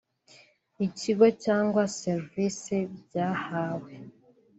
ikigo cyangwa serivise byahawe